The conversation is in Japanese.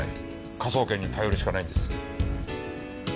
科捜研に頼るしかないんです。